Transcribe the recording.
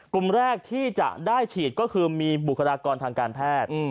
กลุ่มแรกที่จะได้ฉีดก็คือมีบุคลากรทางการแพทย์